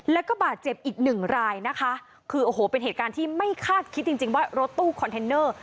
แล้วก็บาดเจ็บอีก๑รายคือเป็นเหตุการณ์ที่ไม่คาดคิดจริงว่ารถตู้คอนเทนเนอร์